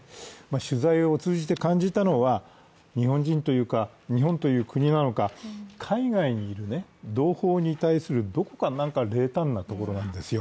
取材を通じて感じたのは日本人というか、日本という国なのか海外にいる同胞に対する、どこか冷淡なところなんですよ。